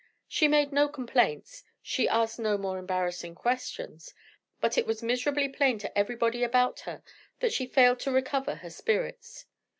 She made no more complaints; she asked no more embarrassing questions but it was miserably plain to everybody about her that she failed to recover her spirits.